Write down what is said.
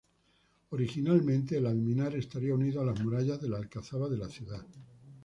Originalmente, el alminar estaría unido a las murallas de la alcazaba de la ciudad.